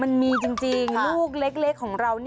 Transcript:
มันมีจริงลูกเล็กของเรา